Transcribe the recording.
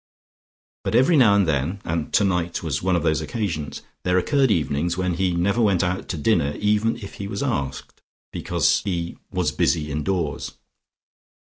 But every now and then and tonight was one of those occasions there occurred evenings when he never went out to dinner even if he was asked, because he "was busy indoors."